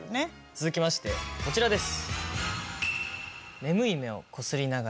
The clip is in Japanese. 続きましてこちらです。